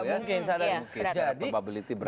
betul sangat tidak mungkin